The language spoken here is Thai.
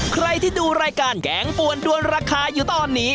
ใครที่ดูรายการแกงปวนด้วนราคาอยู่ตอนนี้